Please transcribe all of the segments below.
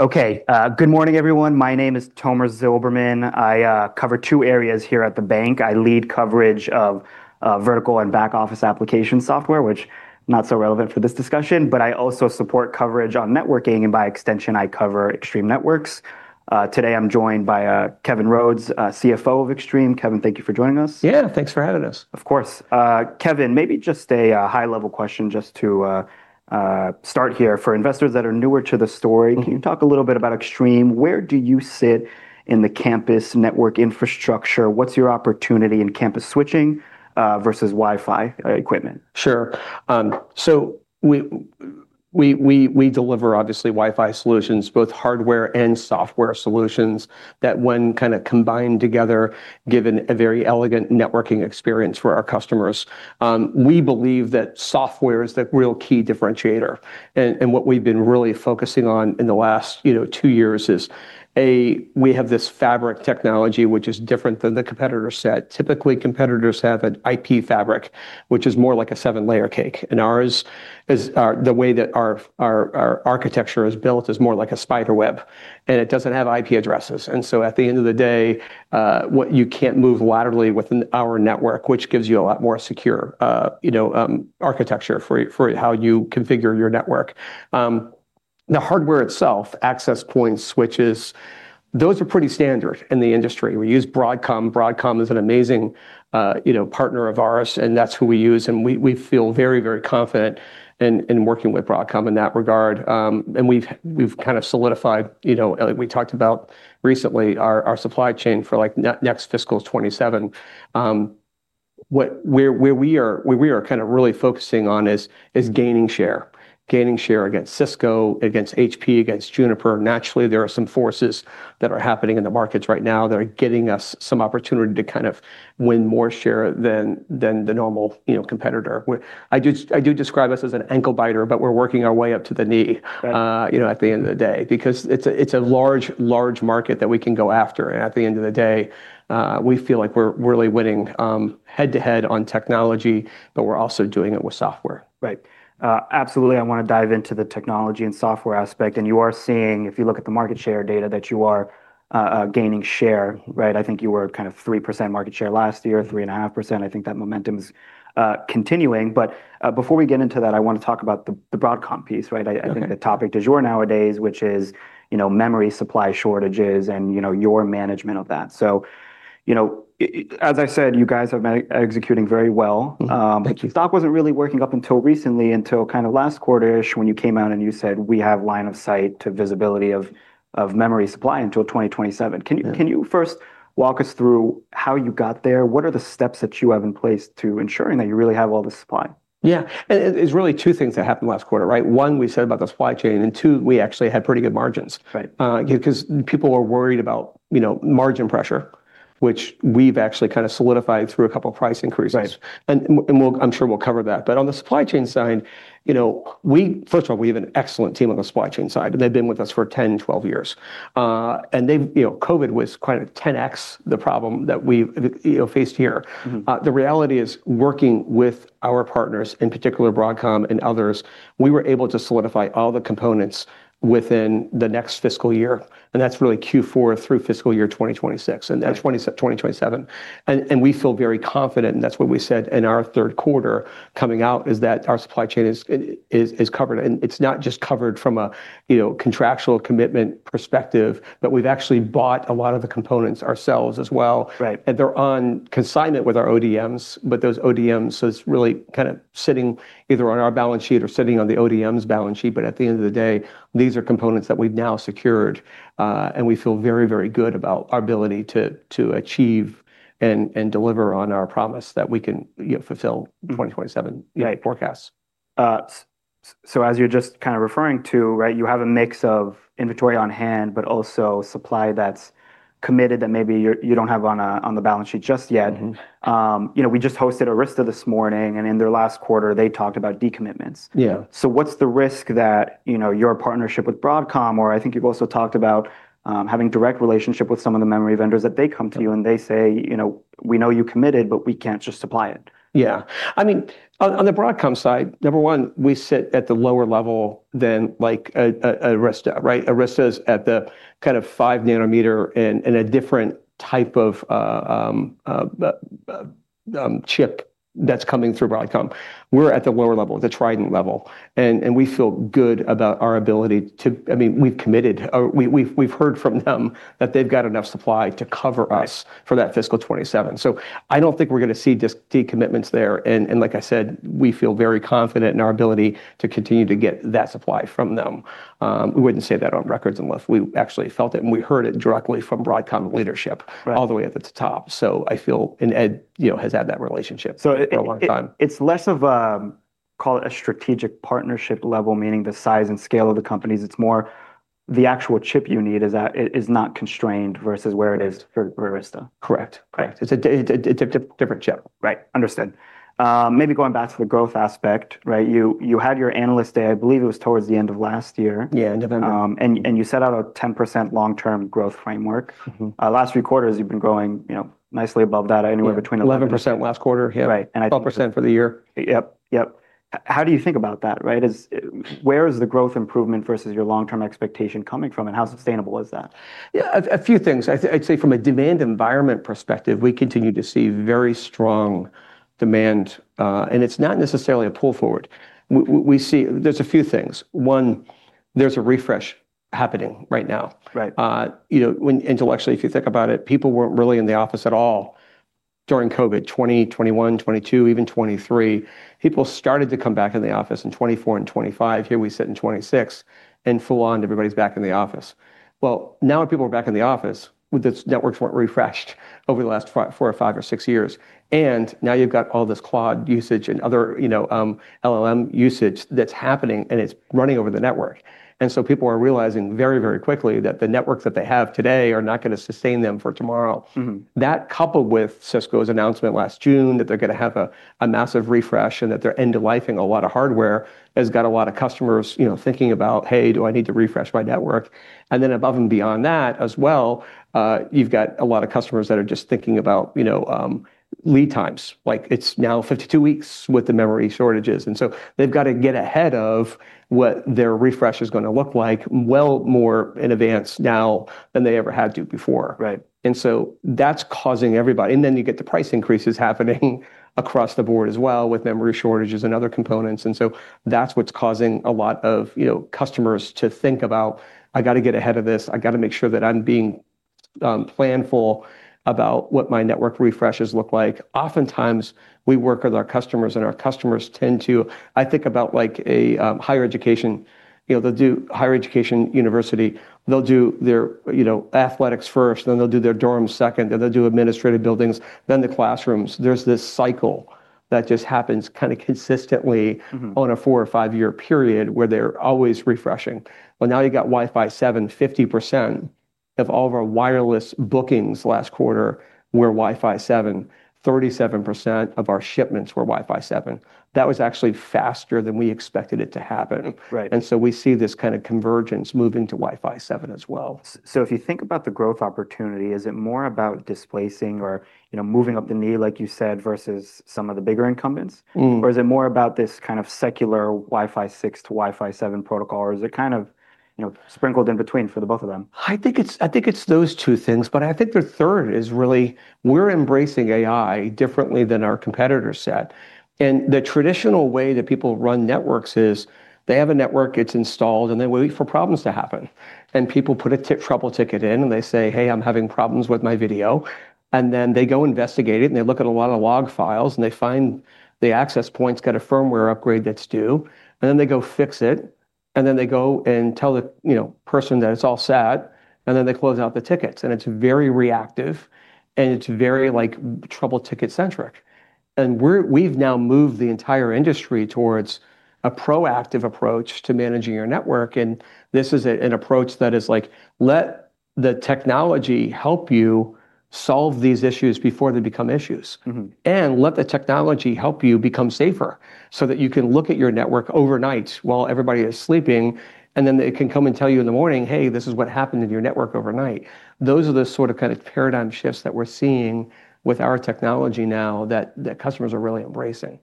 Okay. Good morning, everyone. My name is Tomer Zilberman. I cover two areas here at the bank. I lead coverage of vertical and back office application software, which not so relevant for this discussion, but I also support coverage on networking, and by extension, I cover Extreme Networks. Today I'm joined by Kevin Rhodes, CFO of Extreme. Kevin, thank you for joining us. Yeah, thanks for having us. Of course. Kevin, maybe just a high-level question just to start here. For investors that are newer to the story- Can you talk a little bit about Extreme? Where do you sit in the campus network infrastructure? What's your opportunity in campus switching versus Wi-Fi equipment? Sure. We deliver obviously, Wi-Fi solutions, both hardware and software solutions, that when kind of combined together, given a very elegant networking experience for our customers. We believe that software is the real key differentiator, and what we've been really focusing on in the last two years is, A, we have this fabric technology which is different than the competitor set. Typically, competitors have an IP fabric, which is more like a seven-layer cake. Ours is, the way that our architecture is built is more like a spider web, and it doesn't have IP addresses. At the end of the day, what you can't move laterally within our network, which gives you a lot more secure architecture for how you configure your network. The hardware itself, access points, switches, those are pretty standard in the industry. We use Broadcom. Broadcom is an amazing partner of ours, and that's who we use, and we feel very confident in working with Broadcom in that regard. We've kind of solidified, we talked about recently our supply chain for next fiscal 2027. Where we are kind of really focusing on is gaining share. Gaining share against Cisco, against HP, against Juniper. Naturally, there are some forces that are happening in the markets right now that are getting us some opportunity to kind of win more share than the normal competitor. I do describe us as an ankle biter, but we're working our way up to the knee. Right At the end of the day, because it's a large market that we can go after, and at the end of the day, we feel like we're really winning head-to-head on technology, but we're also doing it with software. Right. Absolutely. I want to dive into the technology and software aspect. You are seeing, if you look at the market share data, that you are gaining share, right. I think you were kind of 3% market share last year, 3.5%. I think that momentum's continuing. Before we get into that, I want to talk about the Broadcom piece, right. Okay. I think the topic du jour nowadays, which is memory supply shortages and your management of that. As I said, you guys have been executing very well. Thank you. Stock wasn't really working up until recently, until kind of last quarter-ish when you came out, you said, "We have line of sight to visibility of memory supply until 2027. Yeah. Can you first walk us through how you got there? What are the steps that you have in place to ensuring that you really have all the supply? Yeah. It's really two things that happened last quarter, right? One, we said about the supply chain, and two, we actually had pretty good margins. Right. People were worried about margin pressure, which we've actually kind of solidified through a couple price increases. Right. I'm sure we'll cover that. On the supply chain side, first of all, we have an excellent team on the supply chain side, and they've been with us for 10, 12 years. COVID was kind of 10x the problem that we've faced here. The reality is working with our partners, in particular Broadcom and others, we were able to solidify all the components within the next fiscal year, and that's really Q4 through fiscal year 2026. Right 2027. We feel very confident, and that's what we said in our third quarter coming out, is that our supply chain is covered. It's not just covered from a contractual commitment perspective, but we've actually bought a lot of the components ourselves as well. Right. They're on consignment with our ODMs, but those ODMs is really kind of sitting either on our balance sheet or sitting on the ODM's balance sheet, but at the end of the day, these are components that we've now secured. We feel very good about our ability to achieve and deliver on our promise that we can fulfill. 2027- Yeah forecasts. As you're just kind of referring to, right, you have a mix of inventory on-hand, but also supply that's committed that maybe you don't have on the balance sheet just yet. We just hosted Arista this morning, and in their last quarter, they talked about decommitments. Yeah. What's the risk that your partnership with Broadcom, or I think you've also talked about having direct relationship with some of the memory vendors, that they come to you, and they say, "We know you committed, but we can't just supply it"? Yeah. On the Broadcom side, number one, we sit at the lower level than like Arista, right? Arista is at the kind of five nanometer and a different type of chip that's coming through Broadcom. We're at the lower level, the Trident level, and we feel good about our ability. We've heard from them that they've got enough supply to cover us. Right for that fiscal 2027. I don't think we're going to see decommitments there. Like I said, we feel very confident in our ability to continue to get that supply from them. We wouldn't say that on records unless we actually felt it, and we heard it directly from Broadcom leadership. Right all the way at the top. I feel, and Ed has had that relationship- So it- for a long time. it's less of, call it a strategic partnership level, meaning the size and scale of the companies. It's more the actual chip you need is not constrained versus where it is for Arista. Correct. Right. It's a different chip. Right. Understood. Maybe going back to the growth aspect, right, you had your analyst day, I believe it was towards the end of last year. Yeah, November. You set out a 10% long-term growth framework. Last three quarters, you've been growing nicely above that, anywhere between 11-. Yeah, 11% last quarter. Yeah. Right. 12% for the year. Yep. How do you think about that, right? Where is the growth improvement versus your long-term expectation coming from, and how sustainable is that? Yeah. A few things. I'd say from a demand environment perspective, we continue to see very strong demand. It's not necessarily a pull forward. There's a few things. One, there's a refresh happening right now. Right. Intellectually, if you think about it, people weren't really in the office at all during COVID, 2020, 2021, 2022, even 2023. People started to come back in the office in 2024 and 2025. Here we sit in 2026, full on everybody's back in the office. Well, now that people are back in the office, the networks weren't refreshed over the last four or five or six years. Now you've got all this Claude usage and other LLM usage that's happening, and it's running over the network. People are realizing very quickly that the networks that they have today are not going to sustain them for tomorrow. That, coupled with Cisco's announcement last June that they're going to have a massive refresh and that they're end-of-lifing a lot of hardware, has got a lot of customers thinking about, "Hey, do I need to refresh my network?" Above and beyond that as well, you've got a lot of customers that are just thinking about lead times. It's now 52 weeks with the memory shortages. They've got to get ahead of what their refresh is going to look like well more in advance now than they ever had to before. Right. That's causing everybody. Then you get the price increases happening across the board as well with memory shortages and other components. That's what's causing a lot of customers to think about, "I got to get ahead of this. I got to make sure that I'm being planful about what my network refreshes look like." Oftentimes, we work with our customers, and our customers tend to. I think about a higher education. They'll do higher education university, they'll do their athletics first, then they'll do their dorms second, then they'll do administrative buildings, then the classrooms. There's this cycle that just happens kind of consistently. on a four or five-year period where they're always refreshing. Well, now you've got Wi-Fi 7. 50% of all of our wireless bookings last quarter were Wi-Fi 7. 37% of our shipments were Wi-Fi 7. That was actually faster than we expected it to happen. Right. We see this kind of convergence moving to Wi-Fi 7 as well. If you think about the growth opportunity, is it more about displacing or moving up the need, like you said, versus some of the bigger incumbents? Is it more about this kind of secular Wi-Fi 6 to Wi-Fi 7 protocol, or is it kind of sprinkled in between for the both of them? I think it's those two things, but I think the third is really we're embracing AI differently than our competitor set. The traditional way that people run networks is they have a network, it's installed, and they wait for problems to happen. People put a trouble ticket in, and they say, "Hey, I'm having problems with my video." They go investigate it, and they look at a lot of log files, and they find the access point's got a firmware upgrade that's due. They go fix it, and then they go and tell the person that it's all set, and then they close out the tickets. It's very reactive, and it's very trouble ticket centric. We've now moved the entire industry towards a proactive approach to managing your network, and this is an approach that is like let the technology help you solve these issues before they become issues. Let the technology help you become safer, so that you can look at your network overnight while everybody is sleeping, and then it can come and tell you in the morning, "Hey, this is what happened in your network overnight." Those are the sort of paradigm shifts that we're seeing with our technology now that customers are really embracing.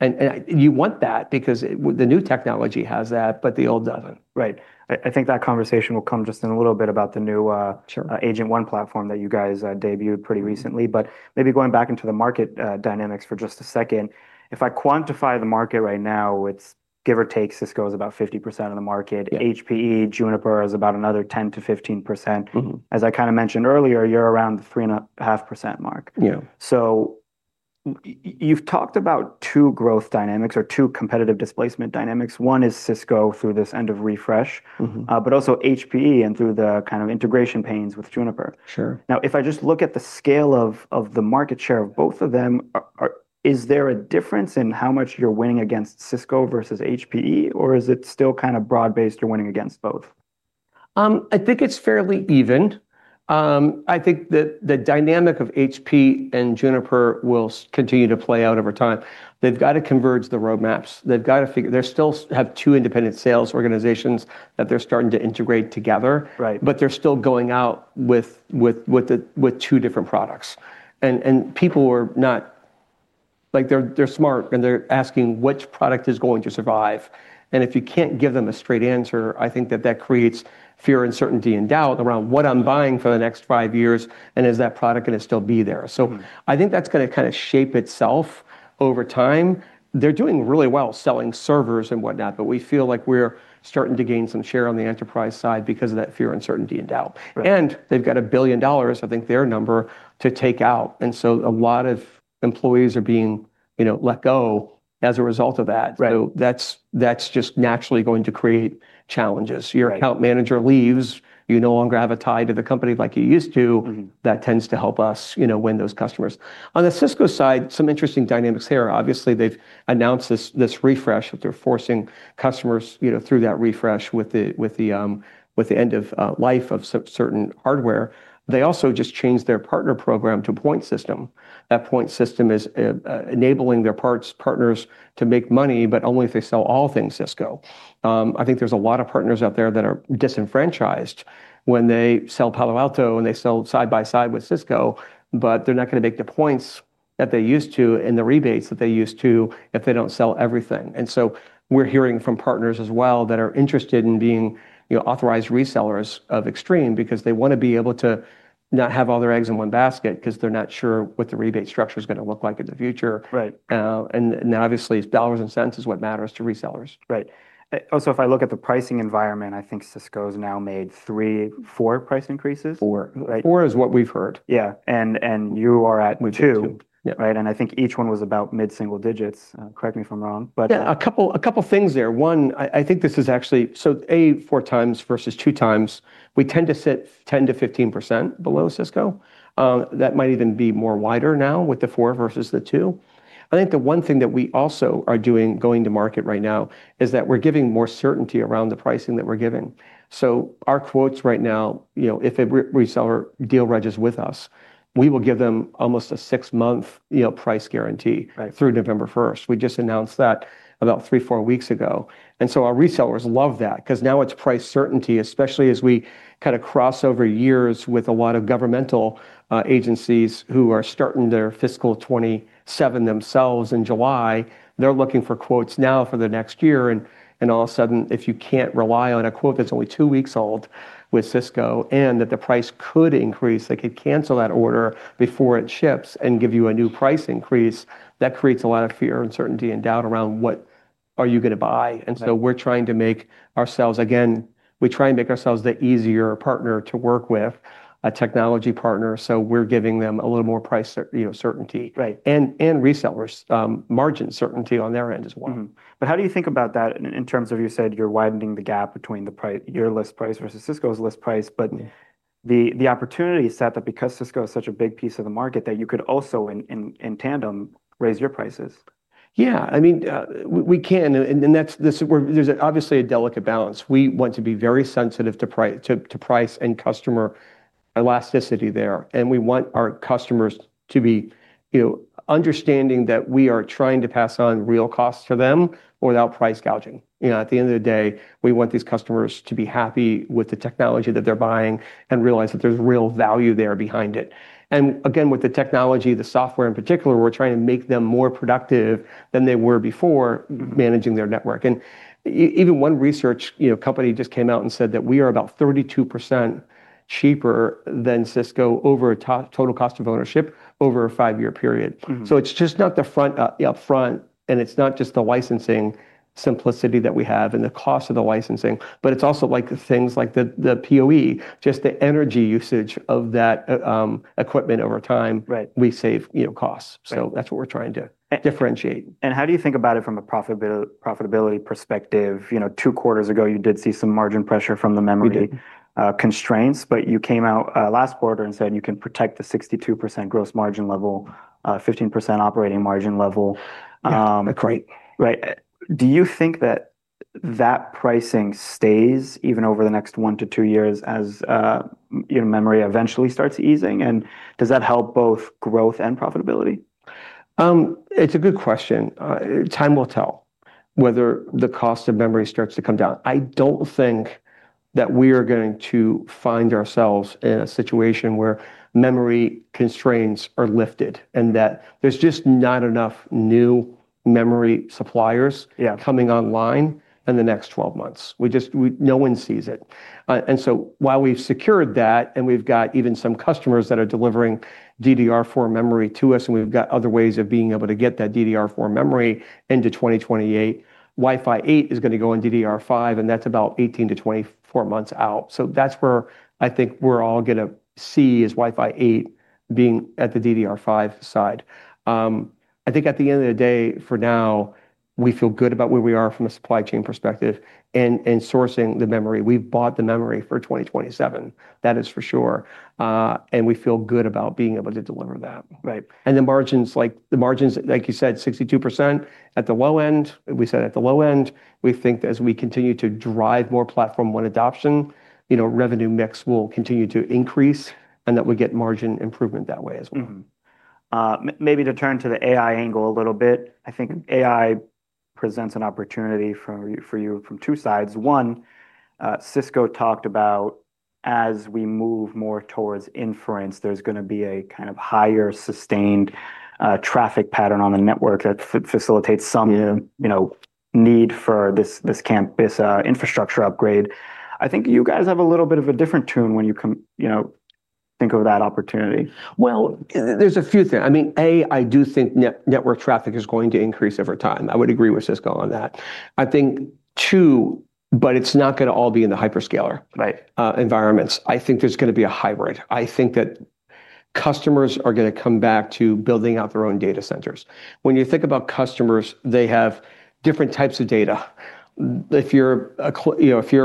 Right. You want that because the new technology has that, but the old doesn't. Right. I think that conversation will come just in a little bit about the new- Sure Agent ONE platform that you guys debuted pretty recently. Maybe going back into the market dynamics for just a second. If I quantify the market right now, it's give or take, Cisco is about 50% of the market. Yeah. HPE, Juniper is about another 10%-15%. As I kind of mentioned earlier, you're around the 3.5% mark. Yeah. You've talked about two growth dynamics or two competitive displacement dynamics. One is Cisco through this end of refresh. Also HPE and through the kind of integration pains with Juniper. Sure. If I just look at the scale of the market share of both of them, is there a difference in how much you're winning against Cisco versus HPE, or is it still kind of broad-based, you're winning against both? I think it's fairly evened. I think that the dynamic of HPE and Juniper will continue to play out over time. They've got to converge the roadmaps. They still have two independent sales organizations that they're starting to integrate together. Right. They're still going out with two different products. People are smart, and they're asking which product is going to survive. If you can't give them a straight answer, I think that that creates fear, uncertainty, and doubt around what I'm buying for the next five years, and is that product going to still be there. I think that's going to kind of shape itself over time. They're doing really well selling servers and whatnot, but we feel like we're starting to gain some share on the enterprise side because of that fear, uncertainty, and doubt. Right. They've got $1 billion, I think, their number to take out, and so a lot of employees are being let go as a result of that. Right. That's just naturally going to create challenges. Right. Your account manager leaves, you no longer have a tie to the company like you used to. That tends to help us win those customers. The Cisco side, some interesting dynamics here. Obviously, they've announced this refresh, that they're forcing customers through that refresh with the end of life of certain hardware. They also just changed their partner program to point system. Point system is enabling their partners to make money, but only if they sell all things Cisco. I think there's a lot of partners out there that are disenfranchised when they sell Palo Alto and they sell side by side with Cisco, but they're not going to make the points that they used to and the rebates that they used to if they don't sell everything. We're hearing from partners as well that are interested in being authorized resellers of Extreme because they want to be able to not have all their eggs in one basket because they're not sure what the rebate structure's going to look like in the future. Right. Obviously it's dollars and cents is what matters to resellers. Right. If I look at the pricing environment, I think Cisco's now made three, four price increases? Four. Right. Four is what we've heard. Yeah. You are at two. We're two. Yeah. Right. I think each one was about mid-single digits. Correct me if I'm wrong. Yeah. A couple things there. One, I think this is actually A, four times versus two times, we tend to sit 10%-15% below Cisco. That might even be more wider now with the four versus the two. I think the one thing that we also are doing going to market right now is that we're giving more certainty around the pricing that we're giving. Our quotes right now, if a reseller deal regs with us, we will give them almost a six-month price guarantee. Right Through November 1st. We just announced that about three, four weeks ago. Our resellers love that because now it's price certainty, especially as we kind of cross over years with a lot of governmental agencies who are starting their fiscal 2027 themselves in July. They're looking for quotes now for the next year and all of a sudden, if you can't rely on a quote that's only two weeks old with Cisco and that the price could increase, they could cancel that order before it ships and give you a new price increase. That creates a lot of fear, uncertainty, and doubt around what are you going to buy. Right. We're trying to make ourselves, again, we try and make ourselves the easier partner to work with, a technology partner, so we're giving them a little more price certainty. Right. Resellers, margin certainty on their end as well. How do you think about that in terms of, you said you're widening the gap between your list price versus Cisco's list price, but the opportunity set that because Cisco is such a big piece of the market, that you could also in tandem raise your prices. Yeah. We can, and there's obviously a delicate balance. We want to be very sensitive to price and customer elasticity there. We want our customers to be understanding that we are trying to pass on real costs to them without price gouging. At the end of the day, we want these customers to be happy with the technology that they're buying and realize that there's real value there behind it. Again, with the technology, the software in particular, we're trying to make them more productive than they were before managing their network. Even one research company just came out and said that we are about 32% cheaper than Cisco over a total cost of ownership over a five-year period. It's just not the upfront, and it's not just the licensing simplicity that we have and the cost of the licensing, but it's also the things like the PoE, just the energy usage of that equipment over time. Right We save costs. Right. That's what we're trying to differentiate. How do you think about it from a profitability perspective? Two quarters ago, you did see some margin pressure from the memory. We did. constraints, but you came out last quarter and said you can protect the 62% gross margin level, 15% operating margin level. Yeah. That's right. Right. Do you think that that pricing stays even over the next one to two years as memory eventually starts easing? Does that help both growth and profitability? It's a good question. Time will tell whether the cost of memory starts to come down. I don't think that we are going to find ourselves in a situation where memory constraints are lifted and that there's just not enough new memory suppliers- Yeah coming online in the next 12 months. No one sees it. While we've secured that and we've got even some customers that are delivering DDR4 memory to us, and we've got other ways of being able to get that DDR4 memory into 2028, Wi-Fi 8 is going to go on DDR5, and that's about 18-24 months out. That's where I think we're all going to see is Wi-Fi 8 being at the DDR5 side. I think at the end of the day, for now, we feel good about where we are from a supply chain perspective and sourcing the memory. We've bought the memory for 2027. That is for sure. We feel good about being able to deliver that. Right. The margins, like you said, 62% at the low end. We said at the low end. We think that as we continue to drive more Platform ONE adoption, revenue mix will continue to increase and that we get margin improvement that way as well. Mm-hmm. Maybe to turn to the AI angle a little bit. I think AI presents an opportunity for you from two sides. One, Cisco talked about as we move more towards inference, there's going to be a kind of higher sustained traffic pattern on the network that facilitates some- Yeah need for this infrastructure upgrade. I think you guys have a little bit of a different tune when you think of that opportunity. Well, there's a few things. A, I do think network traffic is going to increase over time. I would agree with Cisco on that. I think two, it's not going to all be in the hyperscaler. Right environments. I think there's going to be a hybrid. I think that customers are going to come back to building out their own data centers. When you think about customers, they have different types of data. If you're a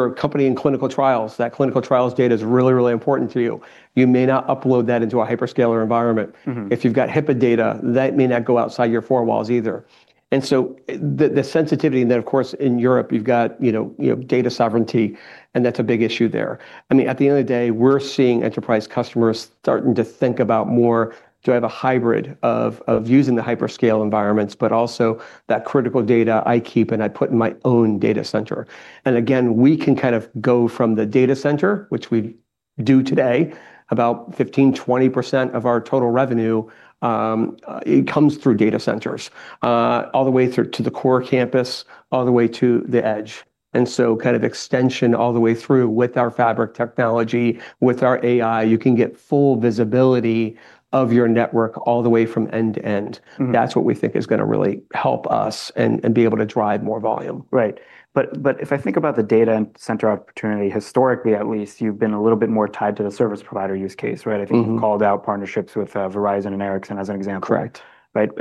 company in clinical trials, that clinical trials data is really, really important to you. You may not upload that into a hyperscaler environment. If you've got HIPAA data, that may not go outside your four walls either. The sensitivity and then, of course, in Europe, you've got data sovereignty, and that's a big issue there. At the end of the day, we're seeing enterprise customers starting to think about more, do I have a hybrid of using the hyperscale environments, but also that critical data I keep and I put in my own data center. Again, we can kind of go from the data center, which we do today, about 15%-20% of our total revenue, it comes through data centers, all the way through to the core campus, all the way to the edge. Kind of extension all the way through with our fabric technology, with our AI, you can get full visibility of your network all the way from end to end. That's what we think is going to really help us and be able to drive more volume. Right. If I think about the data center opportunity, historically at least, you've been a little bit more tied to the service provider use case. Right? I think you called out partnerships with Verizon and Ericsson as an example. Correct. Right.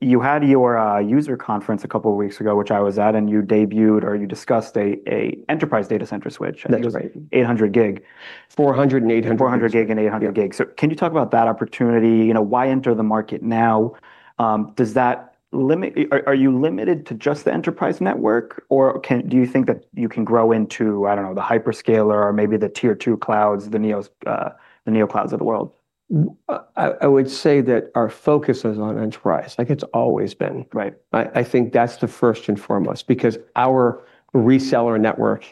You had your user conference a couple of weeks ago, which I was at, and you debuted or you discussed a enterprise data center switch. That's right. I think it was 800 gig. 400 gig and 800 gig. 400 gig and 800 gig. Yeah. Can you talk about that opportunity? Why enter the market now? Are you limited to just the enterprise network or do you think that you can grow into, I don't know, the hyperscaler or maybe the tier 2 clouds, the neoclouds of the world? I would say that our focus is on enterprise, like it's always been. Right. I think that's the first and foremost, because our reseller network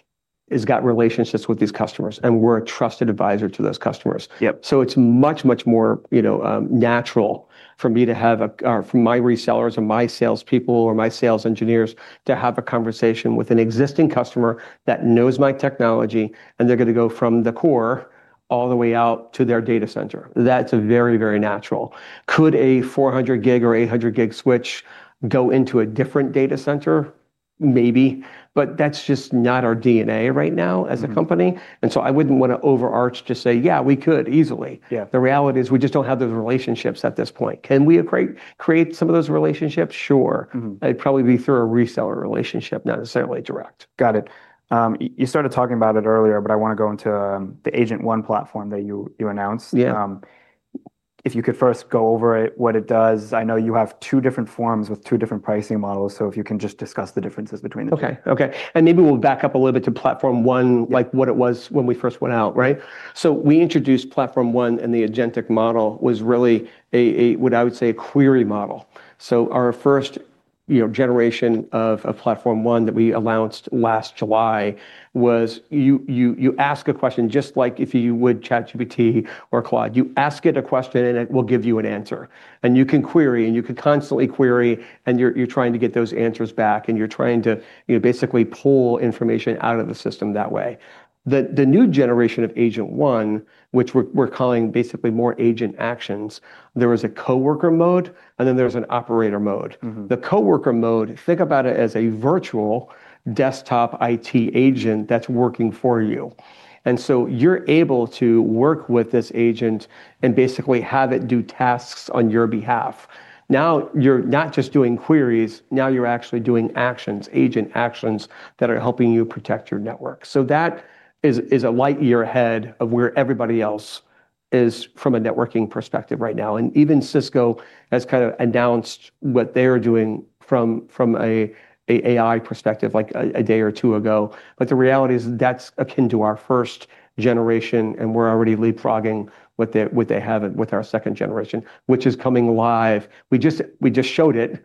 has got relationships with these customers, and we're a trusted advisor to those customers. Yep. It's much, much more natural for my resellers or my salespeople or my sales engineers to have a conversation with an existing customer that knows my technology, and they're going to go from the core all the way out to their data center. That's very, very natural. Could a 400 gig or 800 gig switch go into a different data center? Maybe, but that's just not our DNA right now as a company. I wouldn't want to overarch to say, "Yeah, we could easily. Yeah. The reality is we just don't have those relationships at this point. Can we create some of those relationships? Sure. It'd probably be through a reseller relationship. Got it. Not necessarily direct. Got it. You started talking about it earlier, but I want to go into the Agent ONE platform that you announced. Yeah. If you could first go over it, what it does. I know you have two different forms with two different pricing models. If you can just discuss the differences between them. Okay. Maybe we'll back up a little bit to Platform ONE. Yeah like what it was when we first went out, right? We introduced Platform ONE, and the agentic model was really a, what I would say, a query model. Our first generation of Platform ONE that we announced last July was you ask a question, just like if you would ChatGPT or Claude. You ask it a question, it will give you an answer. You can query, you can constantly query, you're trying to get those answers back, you're trying to basically pull information out of the system that way. The new generation of Agent ONE, which we're calling basically more agent actions, there is a coworker mode, and then there's an operator mode. The coworker mode, think about it as a virtual desktop IT agent that's working for you. You're able to work with this agent and basically have it do tasks on your behalf. Now you're not just doing queries, now you're actually doing actions, agent actions, that are helping you protect your network. That is a light year ahead of where everybody else is from a networking perspective right now. Even Cisco has kind of announced what they're doing from a AI perspective a day or two ago. The reality is that's akin to our first generation, and we're already leapfrogging what they have with our second generation, which is coming live. We just showed it-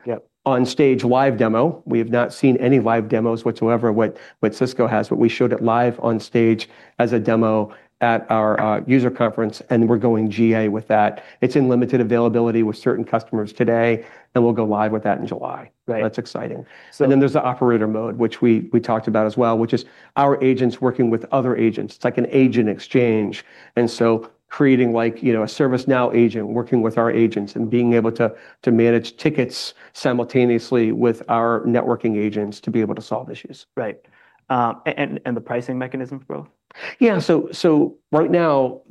Yep on stage live demo. We have not seen any live demos whatsoever what Cisco has, but we showed it live on stage as a demo at our user conference, and we're going GA with that. It's in limited availability with certain customers today, and we'll go live with that in July. Right. That's exciting. So- There's the operator mode, which we talked about as well, which is our agents working with other agents. It's like an agent exchange. Creating a ServiceNow agent working with our agents and being able to manage tickets simultaneously with our networking agents to be able to solve issues. Right. The pricing mechanism for both? Yeah. Right now,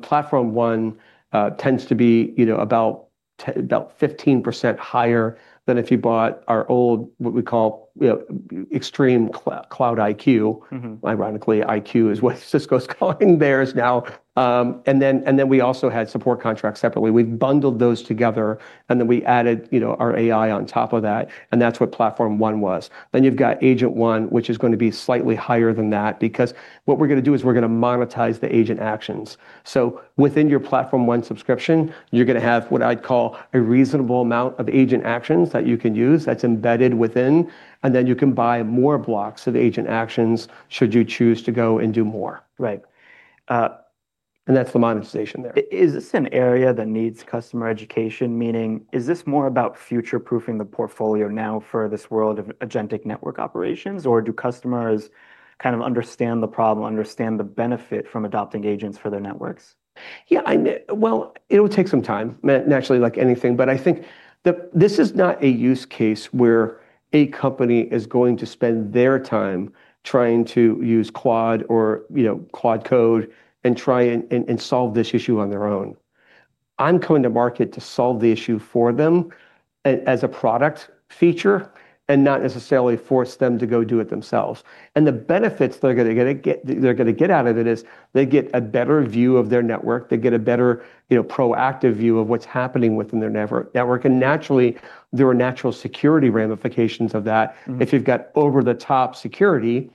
Platform ONE tends to be about 15% higher than if you bought our old, what we call ExtremeCloud IQ. Ironically, IQ is what Cisco's calling theirs now. We also had support contracts separately. We've bundled those together, and then we added our AI on top of that, and that's what Platform ONE was. You've got Agent ONE, which is going to be slightly higher than that because what we're going to do is we're going to monetize the agent actions. Within your Platform ONE subscription, you're going to have what I'd call a reasonable amount of agent actions that you can use that's embedded within, and then you can buy more blocks of agent actions should you choose to go and do more. Right. That's the monetization there. Is this an area that needs customer education? Meaning, is this more about future-proofing the portfolio now for this world of agentic network operations, or do customers kind of understand the problem, understand the benefit from adopting agents for their networks? Yeah. Well, it'll take some time, naturally, like anything. I think this is not a use case where a company is going to spend their time trying to use Claude or Claude Code and try and solve this issue on their own. I'm coming to market to solve the issue for them as a product feature and not necessarily force them to go do it themselves. The benefits they're going to get out of it is they get a better view of their network. They get a better proactive view of what's happening within their network. Naturally, there are natural security ramifications of that. If you've got over-the-top security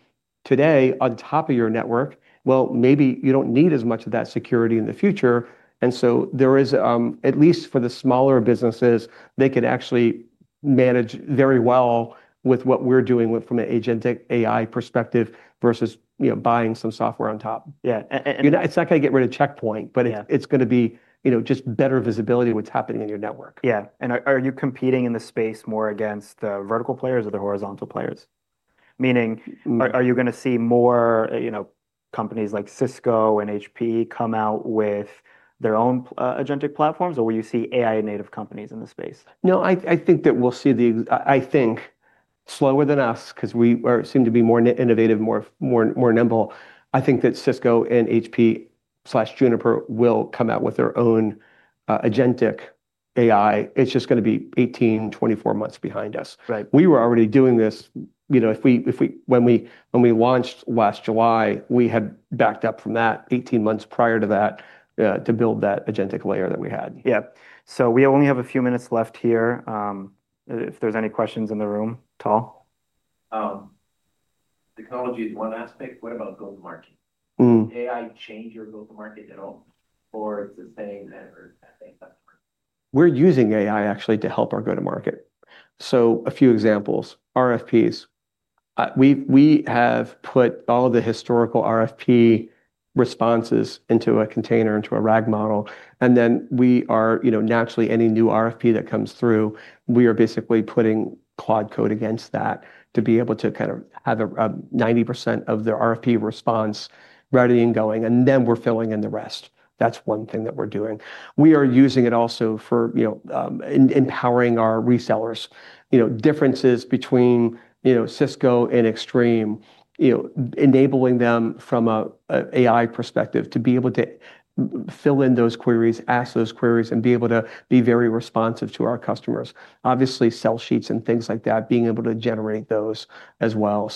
today on top of your network, well, maybe you don't need as much of that security in the future. There is, at least for the smaller businesses, they could actually manage very well with what we're doing from an agentic AI perspective versus buying some software on top. Yeah. It's not going to get rid of Check Point. Yeah It's going to be just better visibility of what's happening in your network. Yeah. Are you competing in the space more against the vertical players or the horizontal players? Meaning, are you going to see more companies like Cisco and HP come out with their own agentic platforms, or will you see AI native companies in the space? No, I think slower than us because we seem to be more innovative, more nimble. I think that Cisco and HP/Juniper will come out with their own agentic AI. It's just going to be 18, 24 months behind us. Right. We were already doing this. When we launched last July, we had backed up from that 18 months prior to that to build that agentic layer that we had. Yeah. We only have a few minutes left here. If there's any questions in the room? Tal? Technology is one aspect. What about go-to-market? Did AI change your go-to-market at all, or it's the same effort, same customer? We're using AI actually to help our go-to-market. A few examples. RFPs. We have put all the historical RFP responses into a container, into a RAG model, and then we are, naturally, any new RFP that comes through, we are basically putting Claude Code against that to be able to kind of have 90% of the RFP response ready and going, and then we're filling in the rest. That's one thing that we're doing. We are using it also for empowering our resellers. Differences between Cisco and Extreme, enabling them from an AI perspective to be able to fill in those queries, ask those queries, and be able to be very responsive to our customers. Obviously, sell sheets and things like that, being able to generate those as well.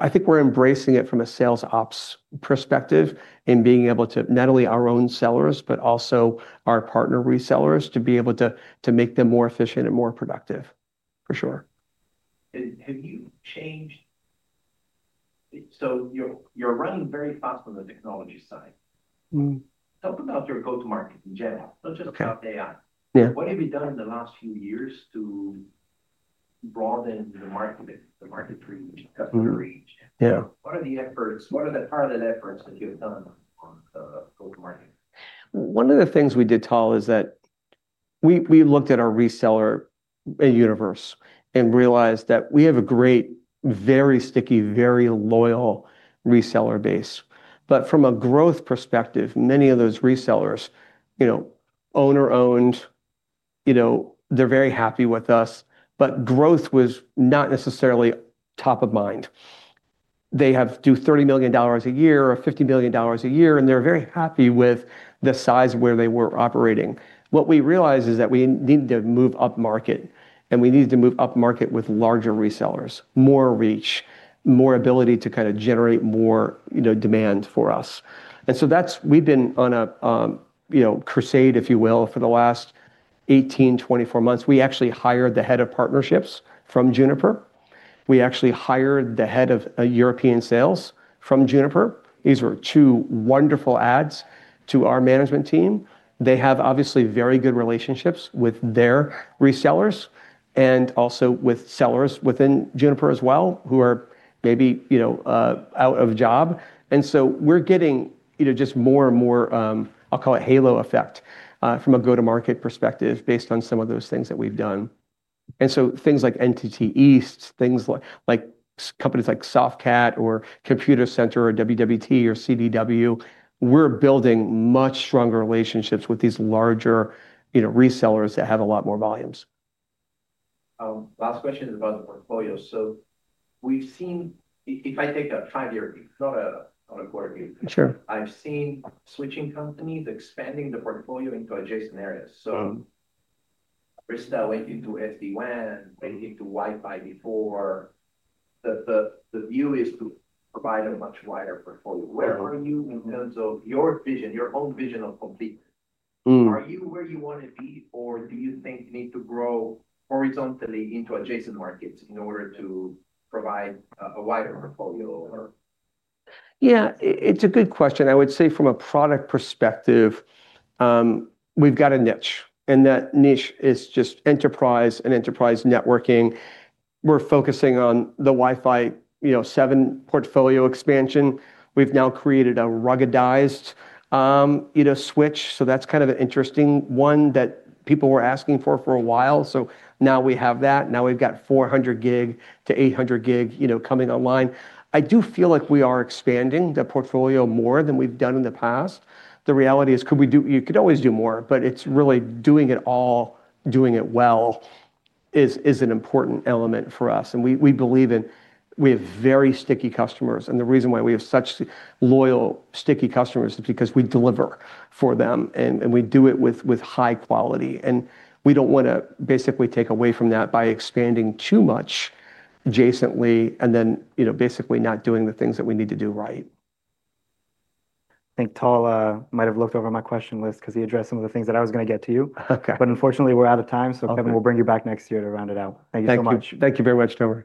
I think we're embracing it from a sales ops perspective in being able to, not only our own sellers, but also our partner resellers, to be able to make them more efficient and more productive. For sure. You're running very fast on the technology side. Tell me about your go-to-market in general, not just- Okay About AI. Yeah. What have you done in the last few years to broaden the market reach, customer reach? Yeah. What are the pilot efforts that you have done on the go-to-market? One of the things we did, Tal, is that we looked at our reseller universe and realized that we have a great, very sticky, very loyal reseller base. From a growth perspective, many of those resellers, owner-owned, they're very happy with us, but growth was not necessarily top of mind. They do $30 million a year or $50 million a year, and they're very happy with the size where they were operating. What we realized is that we needed to move up market, and we needed to move up market with larger resellers, more reach, more ability to generate more demand for us. We've been on a crusade, if you will, for the last 18, 24 months. We actually hired the head of partnerships from Juniper. We actually hired the head of European sales from Juniper. These were two wonderful adds to our management team. They have obviously very good relationships with their resellers and also with sellers within Juniper as well who are maybe out of a job. We're getting just more and more, I'll call it halo effect, from a go-to-market perspective based on some of those things that we've done. Things like NTT East, companies like Softcat or Computacenter or WWT or CDW, we're building much stronger relationships with these larger resellers that have a lot more volumes. Last question is about the portfolio. We've seen, if I take a five-year view, not a quarter view. Sure I've seen switching companies expanding the portfolio into adjacent areas. Arista went into SD-WAN, went into Wi-Fi 4. The view is to provide a much wider portfolio. Where are you in terms of your vision, your own vision of complete? Are you where you want to be, or do you think you need to grow horizontally into adjacent markets in order to provide a wider portfolio? Yeah. It's a good question. I would say from a product perspective, we've got a niche, and that niche is just enterprise and enterprise networking. We're focusing on the Wi-Fi 7 portfolio expansion. We've now created a ruggedized switch. That's kind of an interesting one that people were asking for for a while. Now we have that. Now we've got 400 gig-800 gig coming online. I do feel like we are expanding the portfolio more than we've done in the past. The reality is you could always do more, but it's really doing it all, doing it well is an important element for us. We believe that we have very sticky customers, and the reason why we have such loyal, sticky customers is because we deliver for them, and we do it with high quality. We don't want to basically take away from that by expanding too much adjacently and then basically not doing the things that we need to do right. I think Tal might have looked over my question list because he addressed some of the things that I was going to get to you. Okay. Unfortunately, we're out of time. Okay Kevin, we'll bring you back next year to round it out. Thank you so much. Thank you very much, Tal.